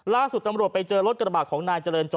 ล่าสุดตำรวจไปเจอรถกระบาดของนายเจริญจอ